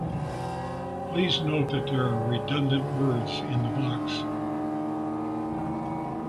Please note that there are redundant words in the box.